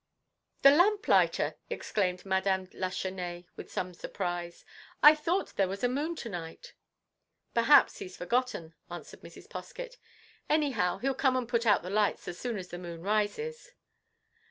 "The lamplighter!" exclaimed Madame Lachesnais, with some surprise. "I thought there was a moon to night." "Perhaps he's forgotten," answered Mrs. Poskett. "Anyhow, he 'll come and put out the lights as soon as the moon rises."